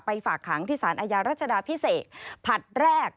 ไปฝากหางที่ศาลอายารัชดาพิเศษผัดแรก